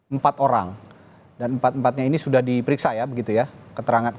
empat orang dan empat empatnya ini sudah diperiksa ya begitu ya